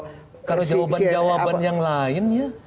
kalau jawaban jawaban yang lainnya